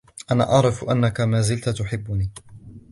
أنا أعرف أنكِ ما زلتِ تحبيني.